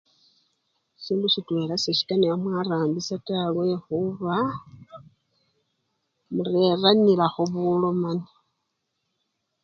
Sindu sitwela sesikanibwa mwarambisha taa lwehuba mureranilaho bulomani